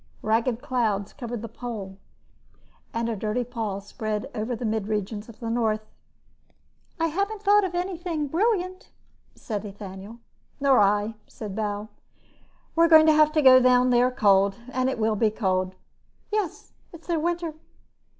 Ragged clouds covered the pole, and a dirty pall spread over the mid regions of the north. "I haven't thought of anything brilliant," said Ethaniel. "Nor I," said Bal. "We're going to have to go down there cold. And it will be cold." "Yes. It's their winter."